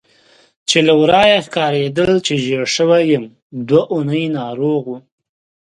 چې له ورایه ښکارېدل چې ژېړی شوی یم، دوه اونۍ ناروغ وم.